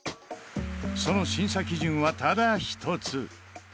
その審査基準はただ一つ。